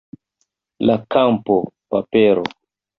La kampo, papero